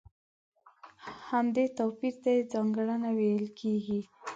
همدې توپير ته يې ځانګړنه ويل کېږي.